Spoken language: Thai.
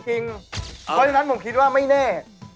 เพราะฉะนั้นผมคิดว่าไม่แน่